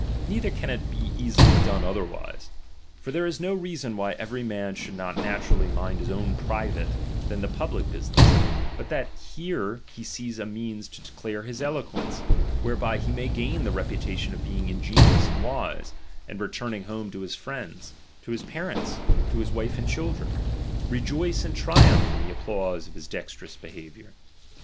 Neither can it easily be done otherwise. For there is no rea son why every man should not naturally mind his own private, than the public business, but that here he sees a means to declare his eloquence, whereby he may gain the reputation of being in genious and wise, and returning home to his friends, to his parents, to his wife and children, rejoice and triumph in the applause of his dexte rous behaviour.